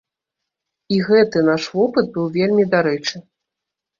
І гэты наш вопыт быў вельмі дарэчы.